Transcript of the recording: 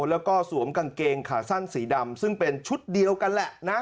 แล้วก็สวมกางเกงขาสั้นสีดำซึ่งเป็นชุดเดียวกันแหละนะ